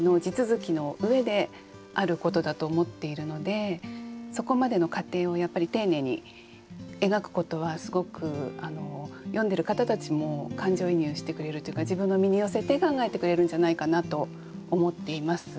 例えばそこまでの過程をやっぱり丁寧に描くことはすごく読んでる方たちも感情移入してくれるというか自分の身に寄せて考えてくれるんじゃないかなと思っています。